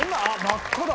真っ赤だ。